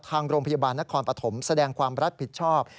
ทางโรงพยาบาลนครปฐมแสดงความรับผิดชอบ